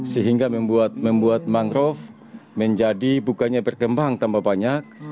sehingga membuat mangrove menjadi bukannya berkembang tambah banyak